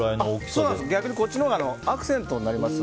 逆にこっちのほうがアクセントになります。